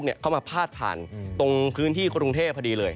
เข้ามาพาดผ่านตรงพื้นที่กรุงเทพพอดีเลย